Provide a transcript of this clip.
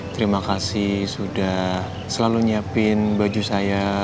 terima kasih sudah selalu nyiapin baju saya